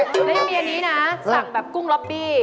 แล้วยังมีอันนี้นะสั่งแบบกุ้งล็อบบี้